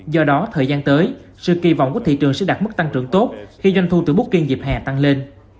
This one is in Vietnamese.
do đó thời gian tới sự kỳ vọng của thị trường sẽ đạt mức tăng trưởng tốt khi doanh thu từ bút kiên dịp hè tăng lên